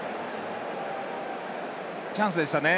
チャンスでしたね。